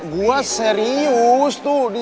gua serius tuh